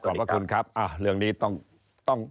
พระคุณครับเรื่องนี้ต้อง